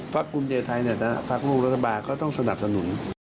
พักกุญเตยไทยพักลูกรัฐบาเขาต้องสนับสนุน